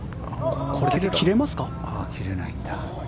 切れないんだ。